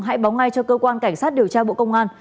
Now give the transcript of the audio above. hãy báo ngay cho cơ quan cảnh sát điều tra bộ công an